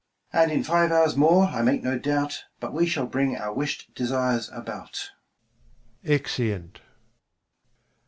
Mum. And in five hours more, I make no doubt, But we shall bring our wish'd desires about. [Exeunt.